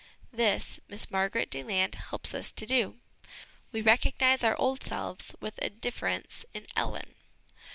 This, Miss Margaret Deland helps us to do : we recognise our old selves, with a difference, in Ellen.